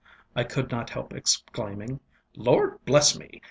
ŌĆØ I could not help exclaiming. ŌĆ£Lord bless me!